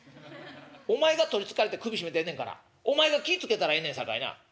お前が取りつかれて首絞めてんねんからお前が気ぃ付けたらええねんさかいな」。